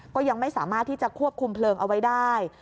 ก็ยังไม่สามารถที่จะควบคุมเพลิงเอาไว้ได้